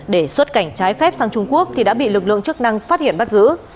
để xuất cảnh trái phép sang trung quốc thì đã bị lực lượng chức năng phát hiện bắt giữ